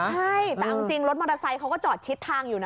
ใช่แต่เอาจริงรถมอเตอร์ไซค์เขาก็จอดชิดทางอยู่นะ